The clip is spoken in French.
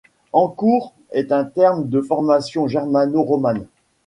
Hancourt est un terme de formation germano-romane.